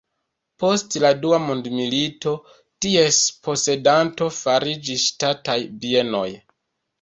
Post la dua mondmilito ties posedanto fariĝis Ŝtataj bienoj.